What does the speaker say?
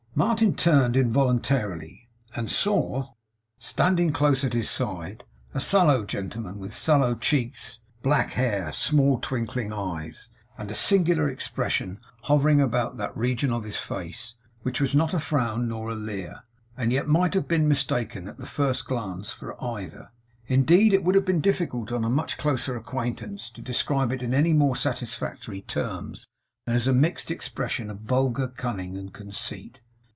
Martin turned involuntarily, and saw, standing close at his side, a sallow gentleman, with sunken cheeks, black hair, small twinkling eyes, and a singular expression hovering about that region of his face, which was not a frown, nor a leer, and yet might have been mistaken at the first glance for either. Indeed it would have been difficult, on a much closer acquaintance, to describe it in any more satisfactory terms than as a mixed expression of vulgar cunning and conceit.